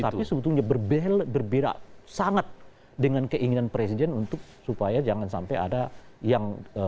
tapi sebetulnya berbeda sangat dengan keinginan presiden untuk supaya jangan sampai ada yang